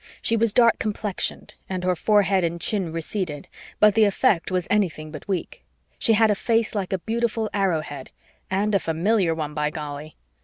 She was dark complexioned and her forehead and chin receded, but the effect was anything but weak; she had a face like a beautiful arrowhead and a familiar one, by golly!